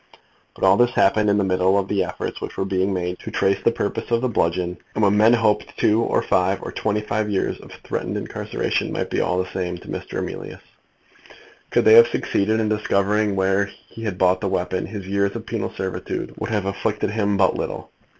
But all this happened in the middle of the efforts which were being made to trace the purchase of the bludgeon, and when men hoped two or five or twenty five years of threatened incarceration might be all the same to Mr. Emilius. Could they have succeeded in discovering where he had bought the weapon, his years of penal servitude would have afflicted him but little.